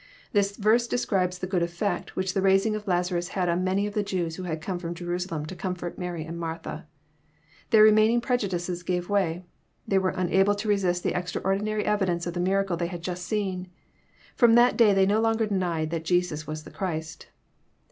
'} This verse describes the good effect which the raising of Lazarus had on many of the Jews who had come from Jerusalem to comfort Mary and Martha. Their remaining prejudices gave way. They were unable to resist the extraordinary evidence of the miracle they had just seen. From that day they no longer denied that Jesus was the Christ.